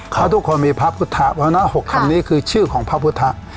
เขาทุกคนมีพระพุทธเพราะฉะนั้น๖คำนี้คือชื่อของพระพุทธ